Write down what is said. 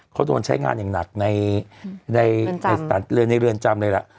เขาโดนใช้งานอย่างหนักในเรือนจำเลยล่ะ